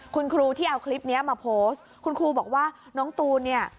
คุณครูที่เอาคลิปนี้มาโพสต์คุณครูบอกว่าน้องตูนเนี่ย